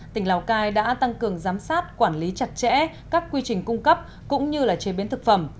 tỉnh lào cai đã tăng cường giám sát quản lý chặt chẽ các quy trình cung cấp cũng như chế biến thực phẩm